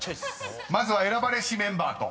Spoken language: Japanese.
［まずは選ばれしメンバーと］